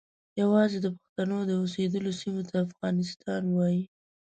یوازې د پښتنو د اوسیدلو سیمې ته افغانستان وایي.